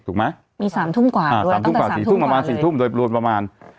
ถูกไหมมีสามทุ่มกว่าอ่ารวมสามทุ่มกว่าสี่ทุ่มประมาณสี่ทุ่มโดยรวมประมาณ